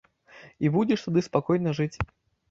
І будзеш тады спакойна жыць.